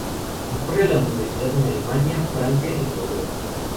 Concurre a la universidad en Alemania, Francia, y Nueva York.